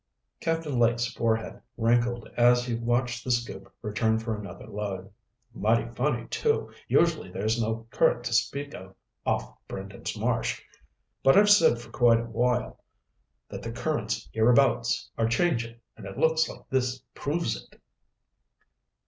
Captain Lake's forehead wrinkled as he watched the scoop return for another load. "Mighty funny, too. Usually there's no current to speak of off Brendan's Marsh. But I've said for quite a while that the currents hereabouts are changing and it looks like this proves it."